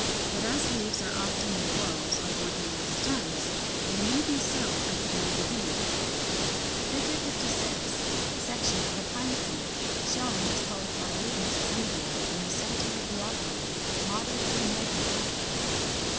But as leaves are often in whorls on ordinary stems, they may be so at the very beginning. [Illustration: Fig. 56. Section of a Pine seed, showing its polycotyledonous embryo in the centre of the albumen, moderately magnified.